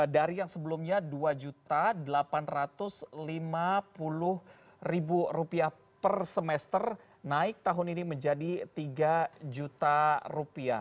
dari yang sebelumnya rp dua delapan ratus lima puluh per semester naik tahun ini menjadi tiga juta rupiah